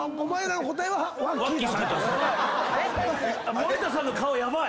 ・森田さんの顔ヤバい！